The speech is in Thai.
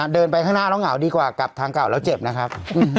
เดินไปข้างหน้าแล้วเหงาดีกว่ากลับทางเก่าแล้วเจ็บนะครับ